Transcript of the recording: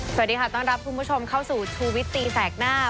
สวัสดีค่ะต้อนรับคุณผู้ชมเข้าสู่ชูวิตตีแสกหน้า